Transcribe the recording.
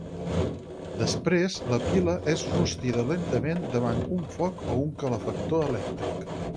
Després, la pila és rostida lentament davant un foc o un calefactor elèctric.